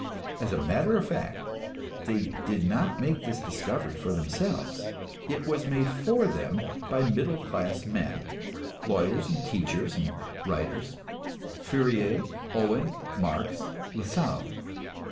As a matter of fact they did not make this discovery for themselves; it was made for them by middle class men, lawyers and teachers and writers Fourier, Owen, Marx, Lassalle.